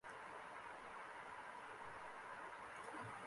不同在于很多经典逻辑的重言式在直觉逻辑中不再是可证明的。